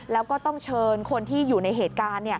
แล้วก็ต้องเชิญคนที่อยู่ในเหตุการณ์